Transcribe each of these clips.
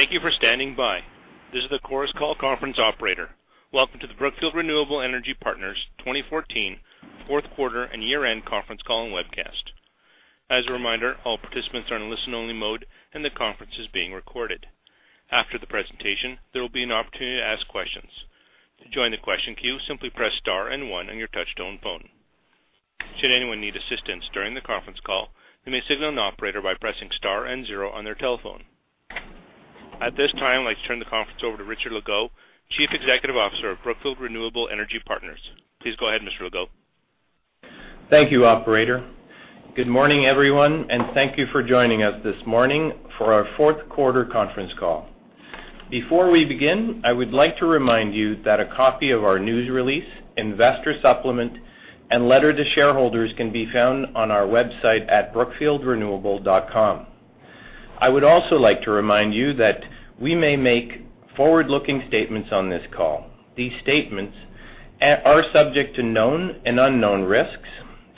Thank you for standing by. This is the Chorus Call conference operator. Welcome to the Brookfield Renewable Energy Partners 2014 fourth quarter and year-end conference call and webcast. As a reminder, all participants are in listen-only mode, and the conference is being recorded. After the presentation, there will be an opportunity to ask questions. To join the question queue, simply press star and one on your touchtone phone. Should anyone need assistance during the conference call, you may signal an operator by pressing star and zero on their telephone. At this time, I'd like to turn the conference over to Richard Legault, Chief Executive Officer of Brookfield Renewable Energy Partners. Please go ahead, Mr. Legault. Thank you, operator. Good morning, everyone, and thank you for joining us this morning for our fourth quarter conference call. Before we begin, I would like to remind you that a copy of our news release, investor supplement, and letter to shareholders can be found on our website at brookfieldrenewable.com. I would also like to remind you that we may make forward-looking statements on this call. These statements are subject to known and unknown risks,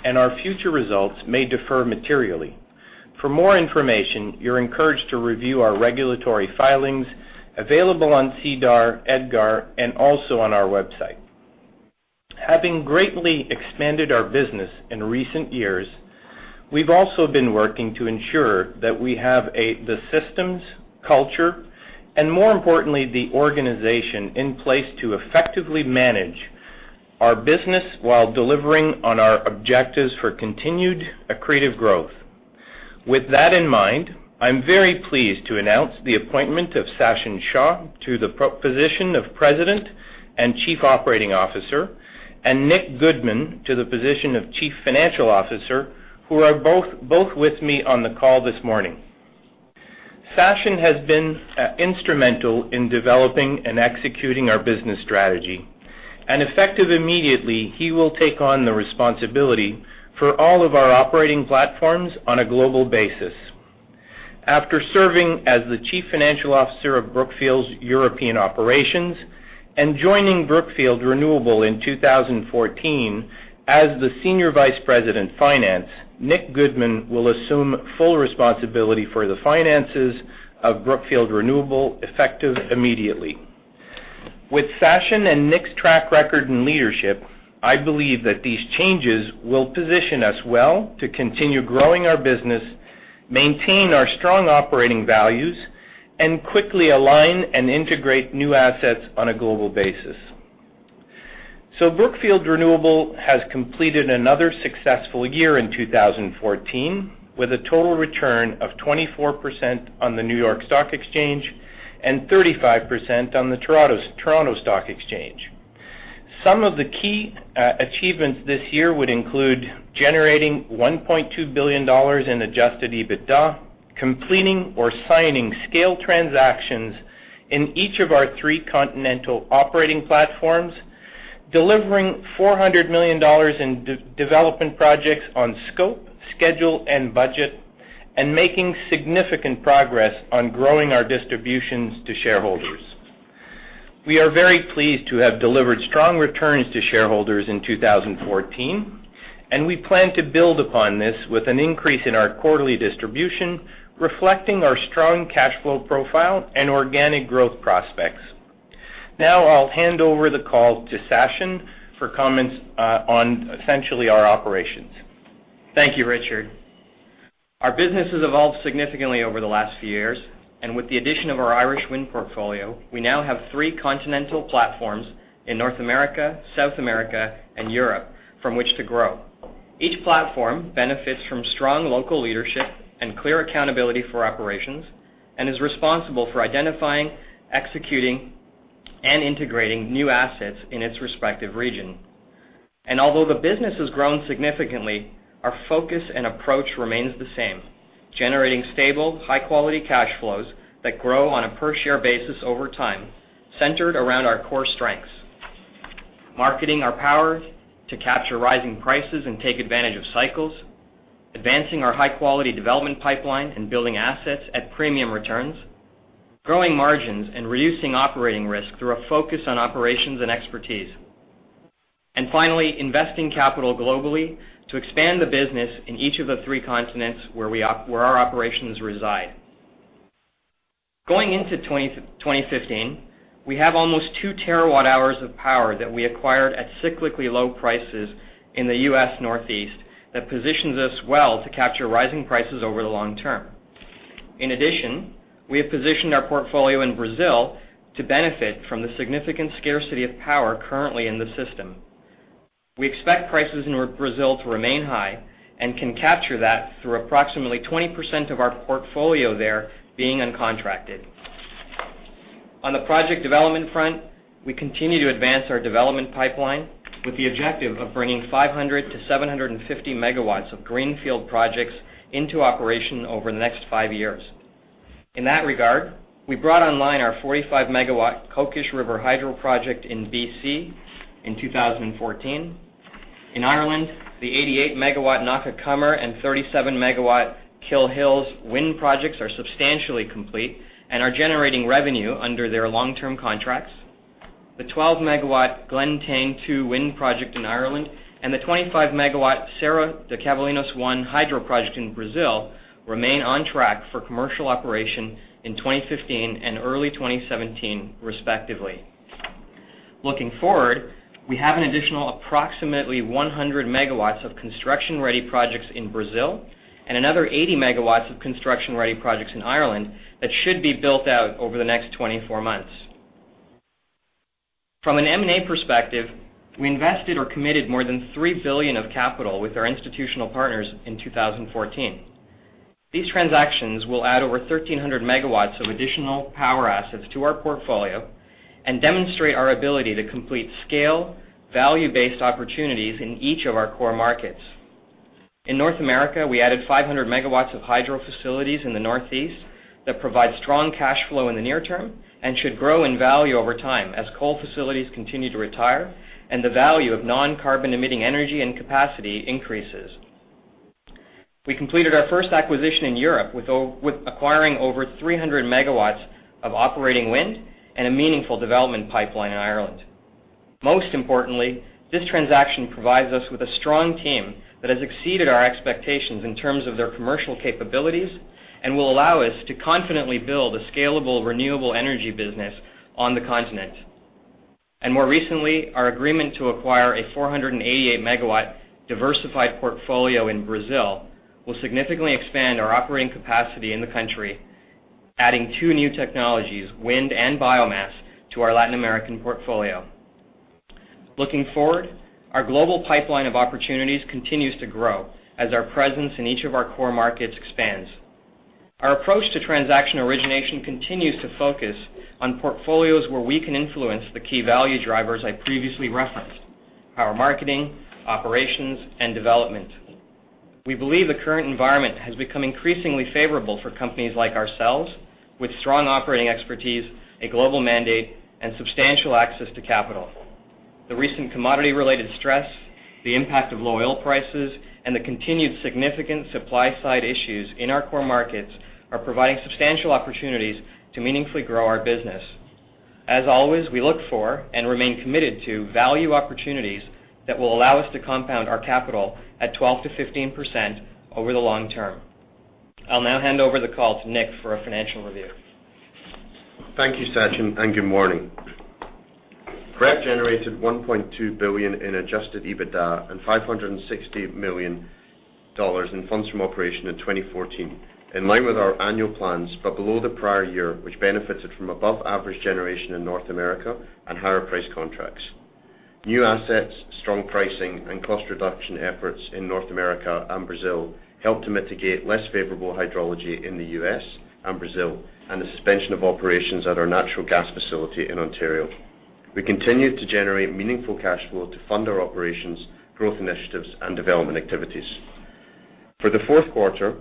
and our future results may differ materially. For more information, you're encouraged to review our regulatory filings available on SEDAR, EDGAR, and also on our website. Having greatly expanded our business in recent years, we've also been working to ensure that we have the systems, culture, and more importantly, the organization in place to effectively manage our business while delivering on our objectives for continued accretive growth. With that in mind, I'm very pleased to announce the appointment of Sachin Shah to the position of President and Chief Operating Officer, and Nick Goodman to the position of Chief Financial Officer, who are both with me on the call this morning. Sachin has been instrumental in developing and executing our business strategy, and effective immediately, he will take on the responsibility for all of our operating platforms on a global basis. After serving as the Chief Financial Officer of Brookfield's European operations and joining Brookfield Renewable in 2014 as the Senior Vice President of Finance, Nick Goodman will assume full responsibility for the finances of Brookfield Renewable effective immediately. With Sachin and Nick's track record in leadership, I believe that these changes will position us well to continue growing our business, maintain our strong operating values, and quickly align and integrate new assets on a global basis. Brookfield Renewable has completed another successful year in 2014, with a total return of 24% on the New York Stock Exchange and 35% on the Toronto Stock Exchange. Some of the key achievements this year would include generating $1.2 billion in adjusted EBITDA, completing or signing scale transactions in each of our three continental operating platforms, delivering $400 million in development projects on scope, schedule, and budget, and making significant progress on growing our distributions to shareholders. We are very pleased to have delivered strong returns to shareholders in 2014, and we plan to build upon this with an increase in our quarterly distribution, reflecting our strong cash flow profile and organic growth prospects. Now, I'll hand over the call to Sachin for comments on essentially our operations. Thank you, Richard. Our business has evolved significantly over the last few years, and with the addition of our Irish Wind portfolio, we now have three continental platforms in North America, South America, and Europe from which to grow. Each platform benefits from strong local leadership and clear accountability for operations and is responsible for identifying, executing, and integrating new assets in its respective region. Although the business has grown significantly, our focus and approach remains the same, generating stable, high-quality cash flows that grow on a per share basis over time centered around our core strengths, marketing our power to capture rising prices and take advantage of cycles, advancing our high-quality development pipeline and building assets at premium returns, growing margins and reducing operating risk through a focus on operations and expertise. Finally, investing capital globally to expand the business in each of the three continents where our operations reside. Going into 2015, we have almost 2 TWh of power that we acquired at cyclically low prices in the U.S. Northeast that positions us well to capture rising prices over the long term. In addition, we have positioned our portfolio in Brazil to benefit from the significant scarcity of power currently in the system. We expect prices in Brazil to remain high and can capture that through approximately 20% of our portfolio there being uncontracted. On the project development front, we continue to advance our development pipeline with the objective of bringing 500-750 MW of greenfield projects into operation over the next five years. In that regard, we brought online our 45 MW Kokish River hydro project in BC in 2014. In Ireland, the 88 MW Knockacummer and 37 MW Kill Hill wind projects are substantially complete and are generating revenue under their long-term contracts. The 12 MW Glenteane II wind project in Ireland, and the 25 MW Serra dos Cavaleiros One hydro project in Brazil remain on track for commercial operation in 2015 and early 2017, respectively. Looking forward, we have an additional approximately 100 MW of construction-ready projects in Brazil, and another 80 MW of construction-ready projects in Ireland that should be built out over the next 24 months. From an M&A perspective, we invested or committed more than $3 billion of capital with our institutional partners in 2014. These transactions will add over 1,300 MW of additional power assets to our portfolio and demonstrate our ability to complete scale, value-based opportunities in each of our core markets. In North America, we added 500 MW of hydro facilities in the Northeast that provide strong cash flow in the near term and should grow in value over time as coal facilities continue to retire and the value of non-carbon emitting energy and capacity increases. We completed our first acquisition in Europe with acquiring over 300 MW of operating wind and a meaningful development pipeline in Ireland. Most importantly, this transaction provides us with a strong team that has exceeded our expectations in terms of their commercial capabilities, and will allow us to confidently build a scalable, renewable energy business on the continent. More recently, our agreement to acquire a 488-MW diversified portfolio in Brazil will significantly expand our operating capacity in the country, adding two new technologies, wind and biomass, to our Latin American portfolio. Looking forward, our global pipeline of opportunities continues to grow as our presence in each of our core markets expands. Our approach to transaction origination continues to focus on portfolios where we can influence the key value drivers I previously referenced, power marketing, operations, and development. We believe the current environment has become increasingly favorable for companies like ourselves with strong operating expertise, a global mandate, and substantial access to capital. The recent commodity-related stress, the impact of low oil prices, and the continued significant supply side issues in our core markets are providing substantial opportunities to meaningfully grow our business. As always, we look for and remain committed to value opportunities that will allow us to compound our capital at 12%-15% over the long term. I'll now hand over the call to Nick for a financial review. Thank you, Sachin, and good morning. BREP generated $1.2 billion in adjusted EBITDA and $560 million in funds from operations in 2014, in line with our annual plans, but below the prior year, which benefited from above average generation in North America and higher price contracts. New assets, strong pricing, and cost reduction efforts in North America and Brazil helped to mitigate less favorable hydrology in the U.S. and Brazil, and the suspension of operations at our natural gas facility in Ontario. We continued to generate meaningful cash flow to fund our operations, growth initiatives, and development activities. For the fourth quarter,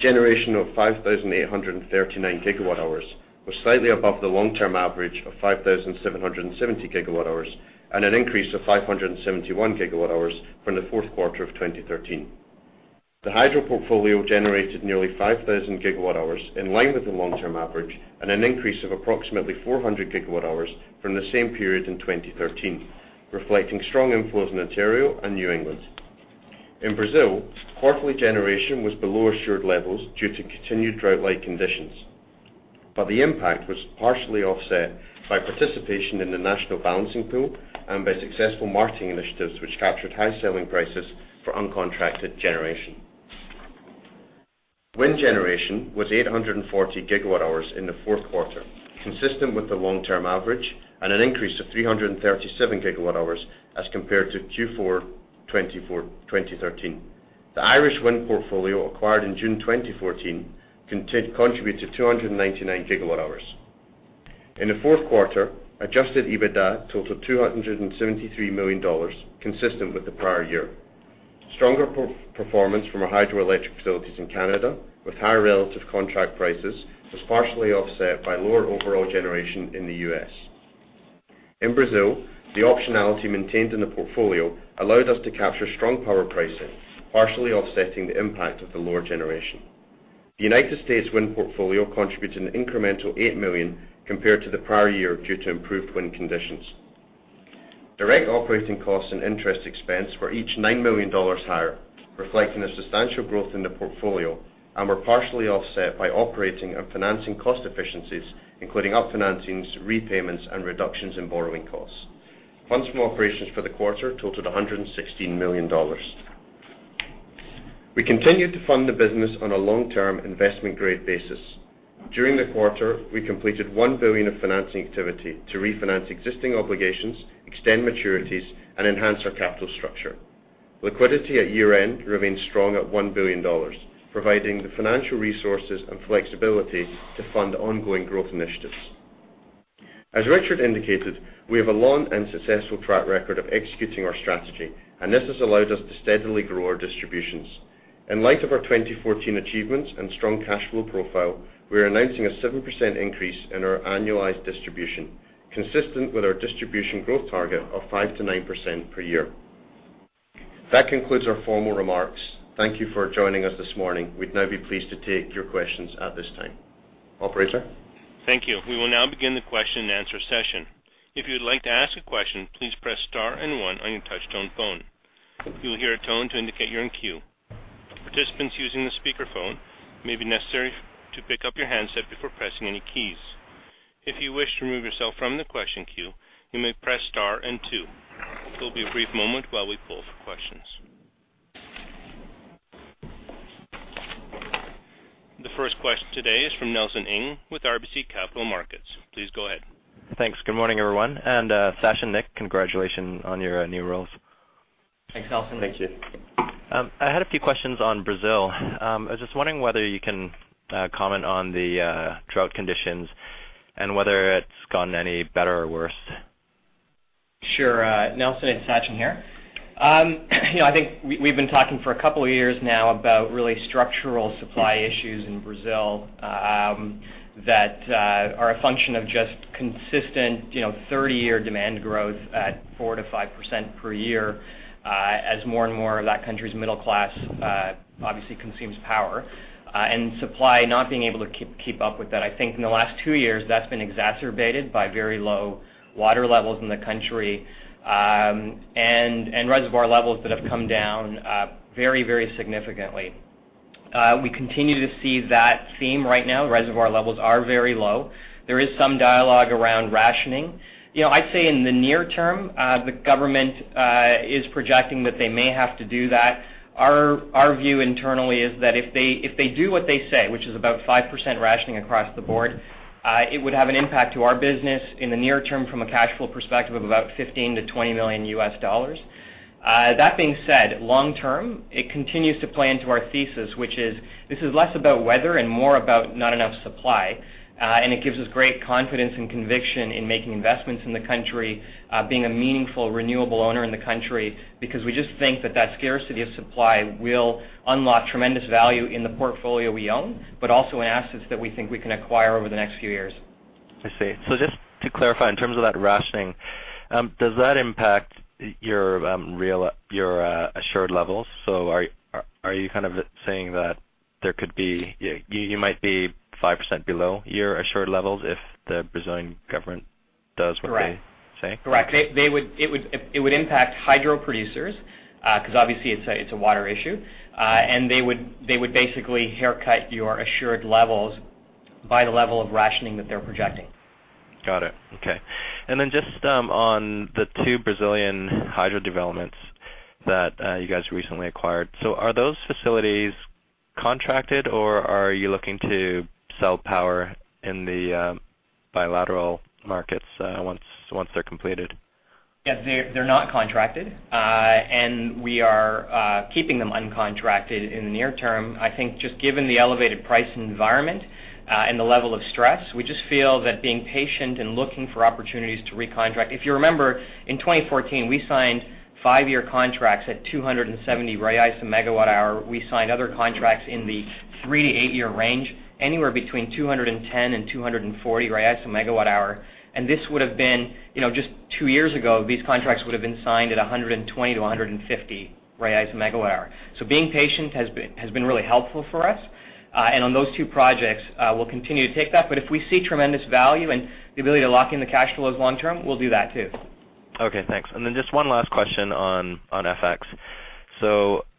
generation of 5,839 GWh was slightly above the long-term average of 5,770 GWh, and an increase of 571 GWh from the fourth quarter of 2013. The hydro portfolio generated nearly 5,000 GWh in line with the long-term average, and an increase of approximately 400 GWh from the same period in 2013, reflecting strong inflows in Ontario and New England. In Brazil, quarterly generation was below assured levels due to continued drought-like conditions. The impact was partially offset by participation in the national balancing pool and by successful marketing initiatives which captured high selling prices for uncontracted generation. Wind generation was 840 GWh in the fourth quarter, consistent with the long-term average, and an increase of 337 GWh as compared to Q4 2013. The Irish wind portfolio acquired in June 2014 contributed 299 GWh. In the fourth quarter, adjusted EBITDA totaled $273 million, consistent with the prior year. Stronger performance from our hydroelectric facilities in Canada with higher relative contract prices was partially offset by lower overall generation in the U.S. In Brazil, the optionality maintained in the portfolio allowed us to capture strong power pricing, partially offsetting the impact of the lower generation. The United States wind portfolio contributed an incremental $8 million compared to the prior year due to improved wind conditions. Direct operating costs and interest expense were each $9 million higher, reflecting a substantial growth in the portfolio, and were partially offset by operating and financing cost efficiencies, including refinancings, repayments, and reductions in borrowing costs. Funds from operations for the quarter totaled $116 million. We continued to fund the business on a long-term investment grade basis. During the quarter, we completed $1 billion of financing activity to refinance existing obligations, extend maturities, and enhance our capital structure. Liquidity at year-end remained strong at $1 billion, providing the financial resources and flexibility to fund ongoing growth initiatives. As Richard indicated, we have a long and successful track record of executing our strategy, and this has allowed us to steadily grow our distributions. In light of our 2014 achievements and strong cash flow profile, we are announcing a 7% increase in our annualized distribution, consistent with our distribution growth target of 5%-9% per year. That concludes our formal remarks. Thank you for joining us this morning. We'd now be pleased to take your questions at this time. Operator? Thank you. We will now begin the question-and-answer session. If you would like to ask a question, please press star and one on your touchtone phone. You will hear a tone to indicate you're in queue. Participants using the speakerphone, it may be necessary to pick up your handset before pressing any keys. If you wish to remove yourself from the question queue, you may press star and two. There will be a brief moment while we pull for questions. The first question today is from Nelson Ng with RBC Capital Markets. Please go ahead. Thanks. Good morning, everyone. Sachin, Nick, congratulations on your new roles. Thanks, Nelson. Thank you. I had a few questions on Brazil. I was just wondering whether you can comment on the drought conditions and whether it's gotten any better or worse. Sure. Nelson, it's Sachin here. You know, I think we've been talking for a couple of years now about really structural supply issues in Brazil, that are a function of just consistent, you know, 30-year demand growth at 4%-5% per year, as more and more of that country's middle class obviously consumes power, and supply not being able to keep up with that. I think in the last two years, that's been exacerbated by very low water levels in the country, and reservoir levels that have come down very significantly. We continue to see that theme right now. Reservoir levels are very low. There is some dialogue around rationing. You know, I'd say in the near term, the government is projecting that they may have to do that. Our view internally is that if they do what they say, which is about 5% rationing across the board, it would have an impact to our business in the near term from a cash flow perspective of about $15 million-$20 million. That being said, long term, it continues to play into our thesis, which is this is less about weather and more about not enough supply. It gives us great confidence and conviction in making investments in the country, being a meaningful renewable owner in the country because we just think that scarcity of supply will unlock tremendous value in the portfolio we own, but also in assets that we think we can acquire over the next few years. I see. Just to clarify, in terms of that rationing, does that impact your assured levels? Are you kind of saying that there could be you might be 5% below your assured levels if the Brazilian government does what they say? Correct. It would impact hydro producers because obviously it's a water issue. They would basically haircut your assured levels by the level of rationing that they're projecting. Got it. Okay. Then just on the two Brazilian hydro developments that you guys recently acquired. Are those facilities contracted, or are you looking to sell power in the bilateral markets once they're completed? Yeah, they're not contracted. We are keeping them uncontracted in the near term. I think just given the elevated price environment and the level of stress, we just feel that being patient and looking for opportunities to recontract. If you remember, in 2014, we signed five-year contracts at 270 a MWh. We signed other contracts in the three- to eight-year range, anywhere between 210 and 240 a MWh. This would have been, you know, just two years ago, these contracts would have been signed at 120 to 150 a MWh. Being patient has been really helpful for us. On those two projects, we'll continue to take that. If we see tremendous value and the ability to lock in the cash flows long term, we'll do that too. Okay, thanks. Then just one last question on FX.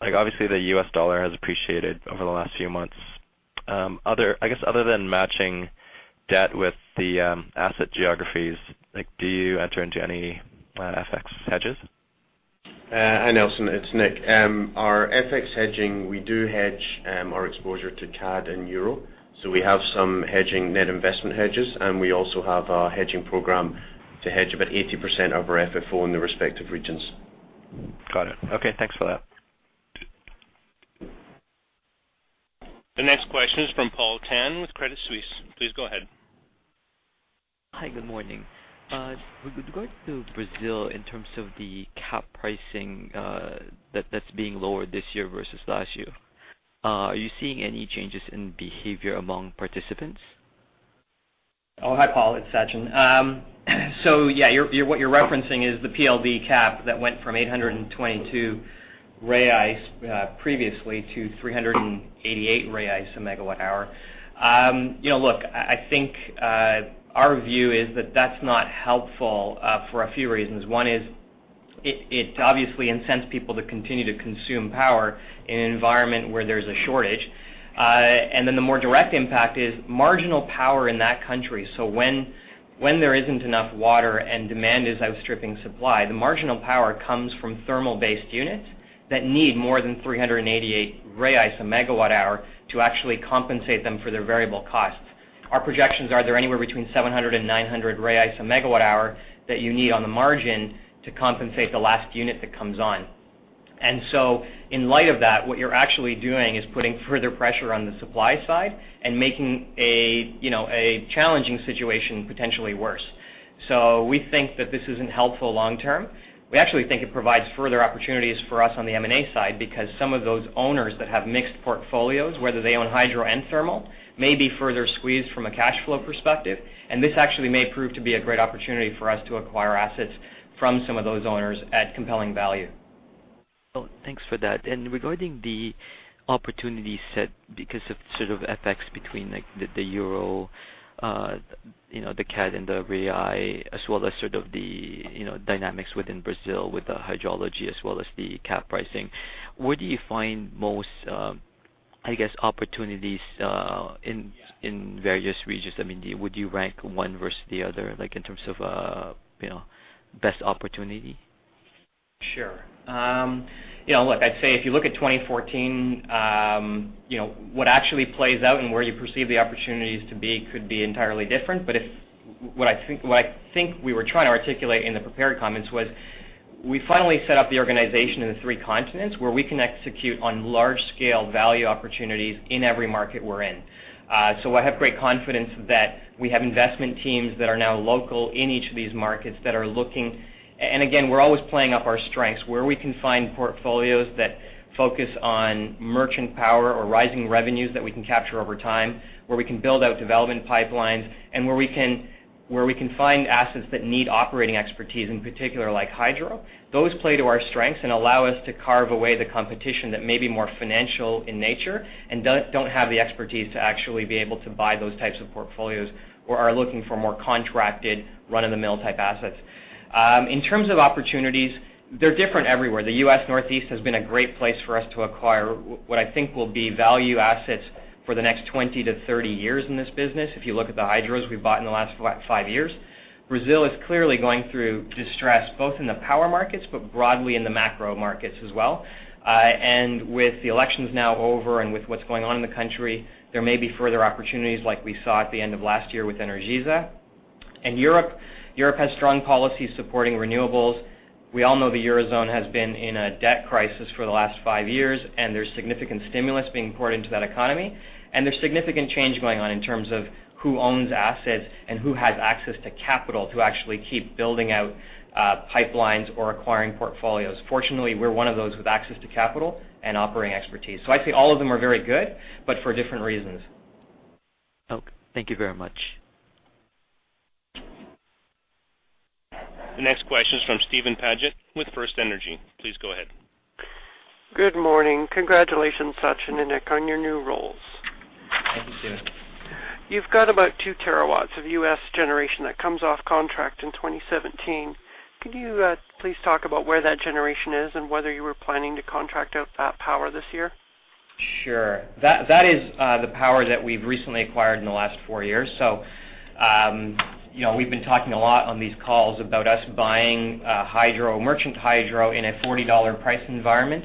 Like, obviously, the U.S. dollar has appreciated over the last few months. I guess other than matching debt with the asset geographies, like, do you enter into any FX hedges? Hi, Nelson. It's Nick. Our FX hedging, we do hedge, our exposure to CAD and Euro. We have some hedging net investment hedges, and we also have our hedging program to hedge about 80% of our FFO in the respective regions. Got it. Okay, thanks for that. The next question is from Paul Tan with Credit Suisse. Please go ahead. Hi, good morning. With regard to Brazil, in terms of the cap pricing, that's being lowered this year versus last year, are you seeing any changes in behavior among participants? Oh, hi, Paul. It's Sachin. So yeah, what you're referencing is the PLD cap that went from 822 previously to 388 a MWh. You know, look, I think our view is that that's not helpful for a few reasons. One is it obviously incents people to continue to consume power in an environment where there's a shortage. The more direct impact is marginal power in that country. When there isn't enough water and demand is outstripping supply, the marginal power comes from thermal-based units that need more than 388 a MWh to actually compensate them for their variable costs. Our projections are they're anywhere between 700 and 900 a MWh that you need on the margin to compensate the last unit that comes on. In light of that, what you're actually doing is putting further pressure on the supply side and making a, you know, a challenging situation potentially worse. We think that this isn't helpful long term. We actually think it provides further opportunities for us on the M&A side because some of those owners that have mixed portfolios, whether they own hydro and thermal, may be further squeezed from a cash flow perspective. This actually may prove to be a great opportunity for us to acquire assets from some of those owners at compelling value. Oh, thanks for that. Regarding the opportunity set because of sort of FX between like the Euro, the CAD and the real, as well as sort of the dynamics within Brazil with the hydrology as well as the cap pricing. Where do you find most, I guess, opportunities in various regions? I mean, would you rank one versus the other, like in terms of best opportunity? Sure. You know, look, I'd say if you look at 2014, you know, what actually plays out and where you perceive the opportunities to be could be entirely different. What I think we were trying to articulate in the prepared comments was we finally set up the organization in the three continents where we can execute on large scale value opportunities in every market we're in. I have great confidence that we have investment teams that are now local in each of these markets that are looking. Again, we're always playing up our strengths, where we can find portfolios that focus on merchant power or rising revenues that we can capture over time, where we can build out development pipelines, and where we can find assets that need operating expertise, in particular, like hydro. Those play to our strengths and allow us to carve away the competition that may be more financial in nature and don't have the expertise to actually be able to buy those types of portfolios or are looking for more contracted run-of-the-mill type assets. In terms of opportunities, they're different everywhere. The U.S. Northeast has been a great place for us to acquire what I think will be value assets for the next 20-30 years in this business if you look at the hydros we've bought in the last five years. Brazil is clearly going through distress, both in the power markets, but broadly in the macro markets as well. With the elections now over and with what's going on in the country, there may be further opportunities like we saw at the end of last year with Energisa. In Europe has strong policy supporting renewables. We all know the Eurozone has been in a debt crisis for the last five years, and there's significant stimulus being poured into that economy. There's significant change going on in terms of who owns assets and who has access to capital to actually keep building out pipelines or acquiring portfolios. Fortunately, we're one of those with access to capital and operating expertise. I'd say all of them are very good, but for different reasons. Okay, thank you very much. The next question is from Steven Paget with FirstEnergy. Please go ahead. Good morning. Congratulations, Sachin and Nick, on your new roles. Thank you. You've got about 2 TW of U.S. generation that comes off contract in 2017. Could you please talk about where that generation is and whether you were planning to contract out that power this year? Sure. That is the power that we've recently acquired in the last four years. You know, we've been talking a lot on these calls about us buying hydro, merchant hydro in a $40 price environment.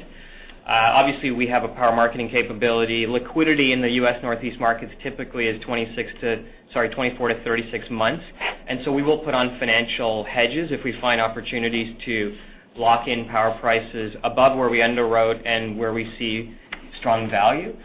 Obviously, we have a power marketing capability. Liquidity in the U.S. Northeast markets typically is 24-36 months. We will put on financial hedges if we find opportunities to lock in power prices above where we underwrote and where we see strong value.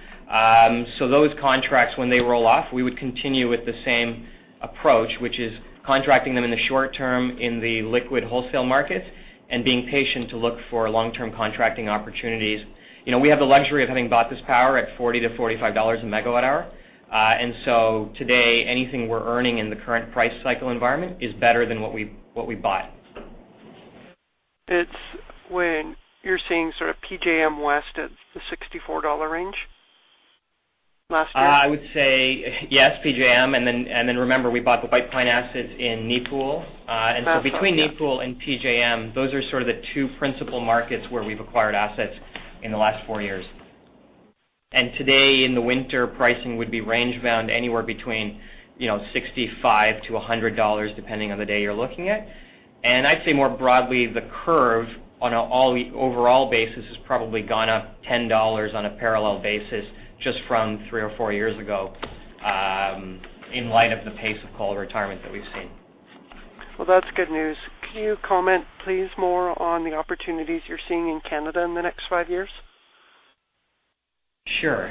Those contracts, when they roll off, we would continue with the same approach, which is contracting them in the short term in the liquid wholesale markets and being patient to look for long-term contracting opportunities. You know, we have the luxury of having bought this power at $40-$45/MWh. Today, anything we're earning in the current price cycle environment is better than what we bought. It's when you're seeing sort of PJM West at the $64 range last year? I would say yes, PJM, and then remember, we bought the White Pine Assets in NEPOOL. That's right, yeah. Between NEPOOL and PJM, those are sort of the two principal markets where we've acquired assets in the last four years. Today in the winter, pricing would be range bound anywhere between, you know, $65-$100, depending on the day you're looking at. I'd say more broadly, the curve on an overall basis has probably gone up $10 on a parallel basis just from three or four years ago, in light of the pace of coal retirement that we've seen. Well, that's good news. Can you comment, please, more on the opportunities you're seeing in Canada in the next five years? Sure.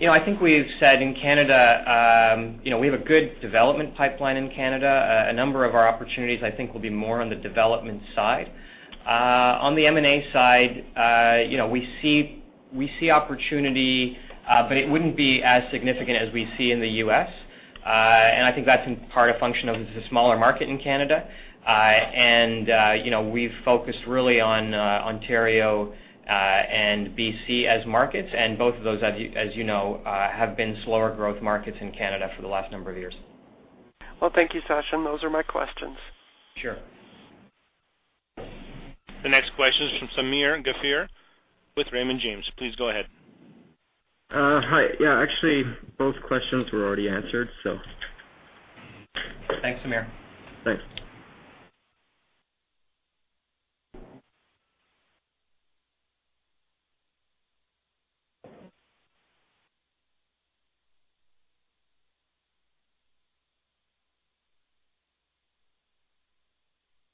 You know, I think we've said in Canada, you know, we have a good development pipeline in Canada. A number of our opportunities, I think will be more on the development side. On the M&A side, you know, we see opportunity, but it wouldn't be as significant as we see in the U.S. I think that's in part a function of the smaller market in Canada. You know, we've focused really on Ontario and BC as markets, and both of those, as you know, have been slower growth markets in Canada for the last number of years. Well, thank you, Sachin. Those are my questions. Sure. The next question is from Samir Ghafir with Raymond James. Please go ahead. Hi. Yeah, actually, both questions were already answered, so. Thanks, Samir. Thanks.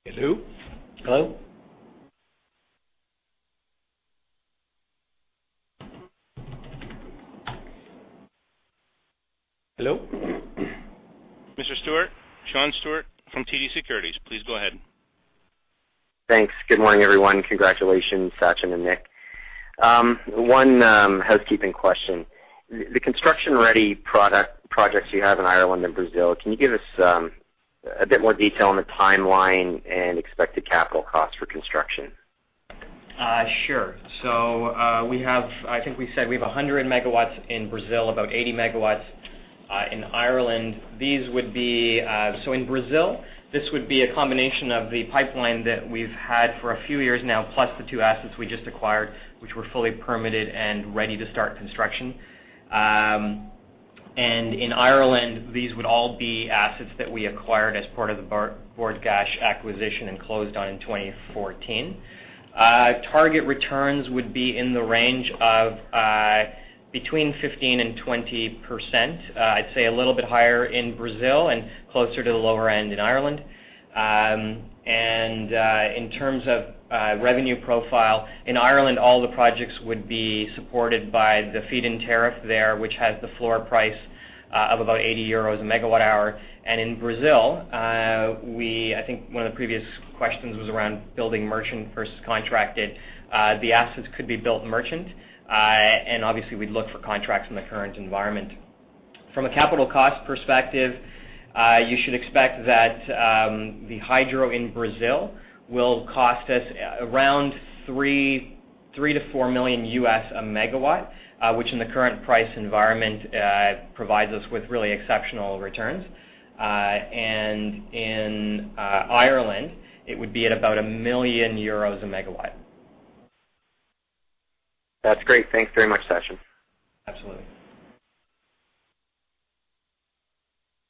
Hello? Hello. Hello? Mr. Steuart, Sean Steuart from TD Securities, please go ahead. Thanks. Good morning, everyone. Congratulations, Sachin and Nick. One, housekeeping question. The construction-ready projects you have in Ireland and Brazil, can you give us a bit more detail on the timeline and expected capital costs for construction? Sure. I think we said we have 100 MW in Brazil, about 80 MW in Ireland. These would be. In Brazil, this would be a combination of the pipeline that we've had for a few years now, plus the two assets we just acquired, which were fully permitted and ready to start construction. In Ireland, these would all be assets that we acquired as part of the Bord Gáis acquisition and closed on in 2014. Target returns would be in the range of between 15% and 20%. I'd say a little bit higher in Brazil and closer to the lower end in Ireland. In terms of revenue profile, in Ireland, all the projects would be supported by the feed-in tariff there, which has the floor price of about 80 euros/MWh. In Brazil, I think one of the previous questions was around building merchant versus contracted. The assets could be built merchant, and obviously we'd look for contracts in the current environment. From a capital cost perspective, you should expect that the hydro in Brazil will cost us around $3 million-$4 million/MW, which in the current price environment provides us with really exceptional returns. In Ireland, it would be at about 1 million euros/MW. That's great. Thanks very much, Sachin. Absolutely.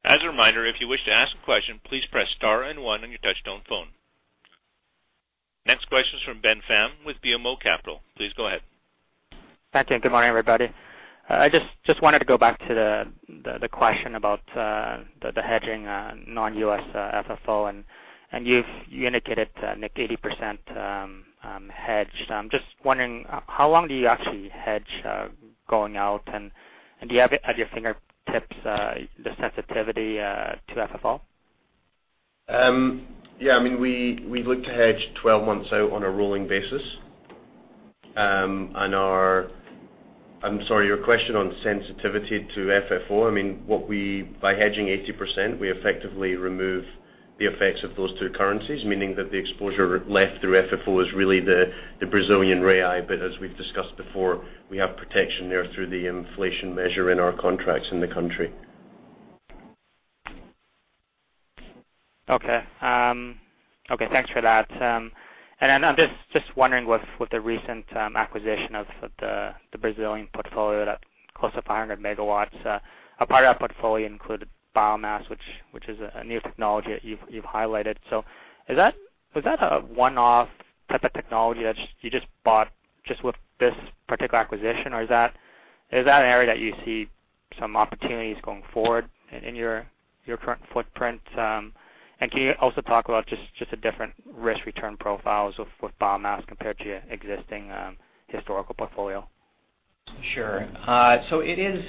As a reminder, if you wish to ask a question, please press star and one on your touchtone phone. Next question is from Ben Pham with BMO Capital. Please go ahead. Thank you and good morning, everybody. I just wanted to go back to the question about the hedging non-U.S. FFO, and you've indicated, Nick, 80% hedged. I'm just wondering how long do you actually hedge going out? Do you have it at your fingertips the sensitivity to FFO? Yeah, I mean, we look to hedge 12 months out on a rolling basis. Your question on sensitivity to FFO, I mean, by hedging 80%, we effectively remove the effects of those two currencies, meaning that the exposure left through FFO is really the Brazilian real. As we've discussed before, we have protection there through the inflation measure in our contracts in the country. Okay, thanks for that. I'm just wondering with the recent acquisition of the Brazilian portfolio that close to 500 MW, a part of that portfolio included biomass, which is a new technology that you've highlighted. Is that a one-off type of technology that you just bought with this particular acquisition, or is that an area that you see some opportunities going forward in your current footprint? Can you also talk about just the different risk-return profiles with biomass compared to your existing historical portfolio? Sure. So it is,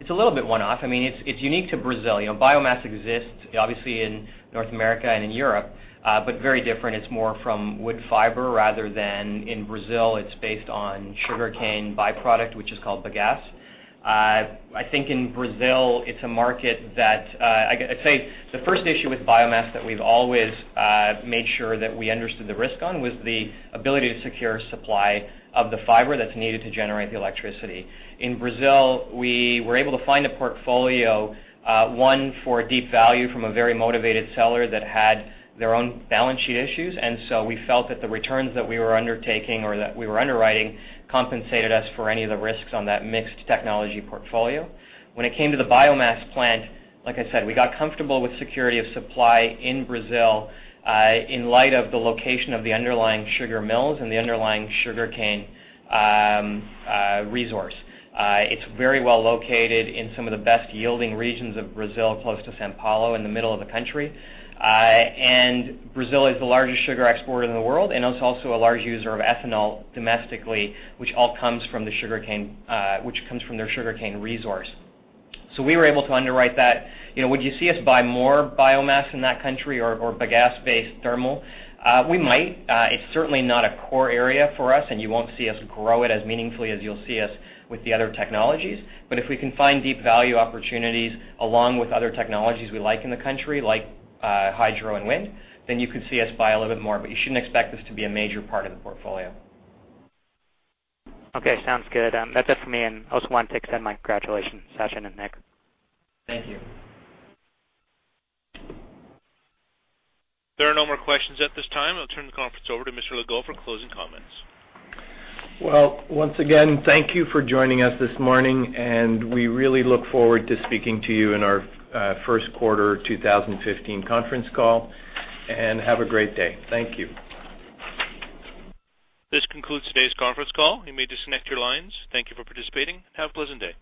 it's a little bit one-off. I mean, it's unique to Brazil. You know, biomass exists obviously in North America and in Europe, but very different. It's more from wood fiber rather than in Brazil, it's based on sugarcane byproduct, which is called bagasse. I think in Brazil, it's a market that, I'd say the first issue with biomass that we've always made sure that we understood the risk on was the ability to secure supply of the fiber that's needed to generate the electricity. In Brazil, we were able to find a portfolio, one for deep value from a very motivated seller that had their own balance sheet issues. We felt that the returns that we were undertaking or that we were underwriting compensated us for any of the risks on that mixed technology portfolio. When it came to the biomass plant, like I said, we got comfortable with security of supply in Brazil, in light of the location of the underlying sugar mills and the underlying sugarcane, resource. It's very well located in some of the best yielding regions of Brazil, close to São Paulo in the middle of the country. Brazil is the largest sugar exporter in the world, and it's also a large user of ethanol domestically, which all comes from the sugarcane, which comes from their sugarcane resource. We were able to underwrite that. You know, would you see us buy more biomass in that country or bagasse-based thermal? We might. It's certainly not a core area for us, and you won't see us grow it as meaningfully as you'll see us with the other technologies. If we can find deep value opportunities along with other technologies we like in the country, like hydro and wind, then you could see us buy a little bit more, but you shouldn't expect this to be a major part of the portfolio. Okay. Sounds good. That's it for me. I also wanted to extend my congratulations, Sachin and Nick. Thank you. There are no more questions at this time. I'll turn the conference over to Mr. Legault for closing comments. Well, once again, thank you for joining us this morning, and we really look forward to speaking to you in our first quarter 2015 conference call. Have a great day. Thank you. This concludes today's conference call. You may disconnect your lines. Thank you for participating. Have a pleasant day.